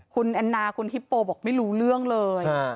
คุณแอนนาคุณฮิปโปบอกไม่รู้เรื่องเลย